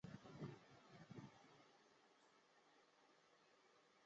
汉中与涪城相差千里。